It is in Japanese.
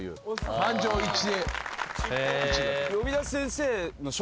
満場一致。